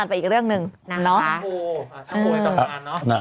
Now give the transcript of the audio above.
ยังมีการเลี่ยงหัวฬักษีกับอีกเรื่องหนึ่ง